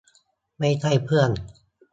ไม่ใช่เพื่อน